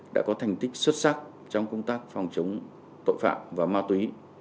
đã có thành tích xuất sắc trong công tác phòng chống tội phạm và ma túy